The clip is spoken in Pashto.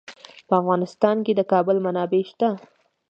په افغانستان کې د کابل منابع شته.